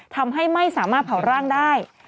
ทำให้ไม่สามารถเผาร่างได้